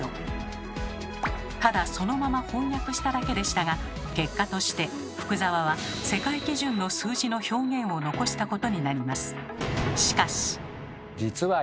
ただそのまま翻訳しただけでしたが結果として福沢は世界基準の数字の表現を残したことになります。